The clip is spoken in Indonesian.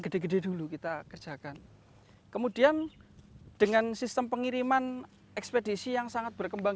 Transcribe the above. gede gede dulu kita kerjakan kemudian dengan sistem pengiriman ekspedisi yang sangat berkembang